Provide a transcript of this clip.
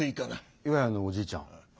岩谷のおじいちゃん。